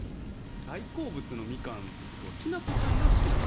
大好物のミカンということはきなこ君が好きなんですか？